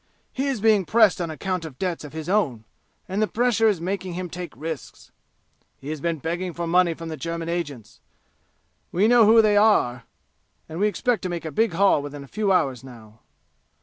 He is being pressed on account of debts of his own, and the pressure is making him take risks. He has been begging for money from the German agents. We know who they are, and we expect to make a big haul within a few hours now."